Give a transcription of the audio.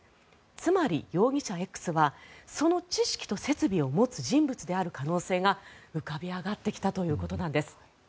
つまり、容疑者Ｘはその知識と設備を持つ人物である可能性が浮かび上がってきたということなんです。